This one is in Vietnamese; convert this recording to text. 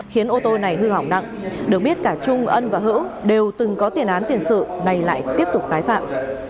khiến ô tô này hư hỏng nặng được biết cả trung ân và hữu đều từng có tiền án tiền sự này lại tiếp tục tái phạm